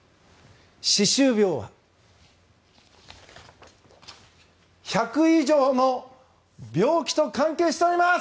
歯周病は、１００以上の病気と関係しております！